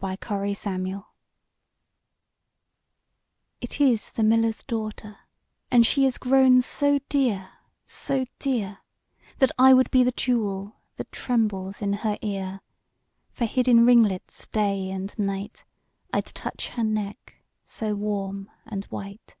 The Miller's Daughter IT is the miller's daughter, And she is grown so dear, so dear, That I would be the jewel That trembles in her ear: For hid in ringlets day and night, 5 I'd touch her neck so warm and white.